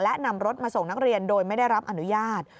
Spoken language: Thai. และนำรถมาส่งนักเรียนโดยไม่ได้รับอนุญาต